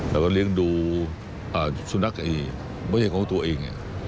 แล้วก็เลี้ยงดูสุนัขไม่ใช่ของตัวเอง